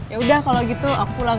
yaudah kalau gitu aku pulang